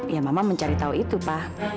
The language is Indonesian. ya saya yang mencari tahu itu pak